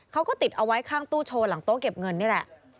เขาก็ติดเอาไว้ข้างตู้โชว์หลังโต๊ะเก็บเงินนี่แหละ